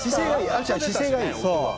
亜希ちゃん姿勢がいい。